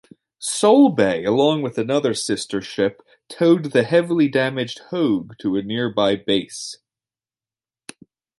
"Solebay", along with another sister-ship, towed the heavily damaged "Hogue" to a nearby base.